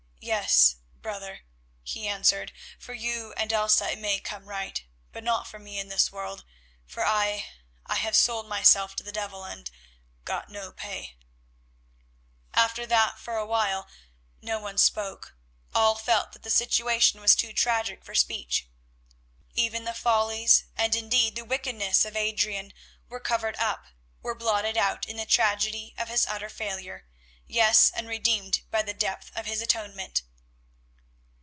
"Yes, brother," he answered, "for you and Elsa it may come right, but not for me in this world, for I—I have sold myself to the devil and—got no pay." After that for a while no one spoke; all felt that the situation was too tragic for speech; even the follies, and indeed the wickedness, of Adrian were covered up, were blotted out in the tragedy of his utter failure, yes, and redeemed by the depth of his atonement.